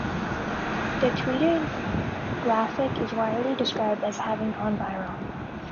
The tweeted graphic is widely described as having gone viral.